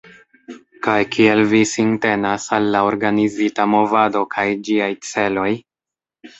Kaj kiel vi sintenas al la organizita movado kaj ĝiaj celoj?